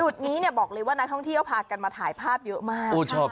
จุดนี้เนี่ยบอกเลยว่านักท่องเที่ยวพากันมาถ่ายภาพเยอะมาก